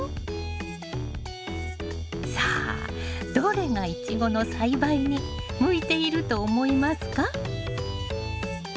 さあどれがイチゴの栽培に向いていると思いますか？